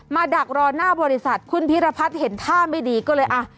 ดักรอหน้าบริษัทคุณพิรพัฒน์เห็นท่าไม่ดีก็เลยอ่ะ